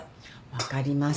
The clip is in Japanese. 分かります。